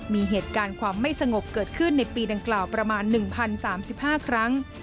มีเหตุการณ์ความไม่สงบเกิดขึ้นในปีดังกล่าวประมาณ๑๐๓๕ครั้ง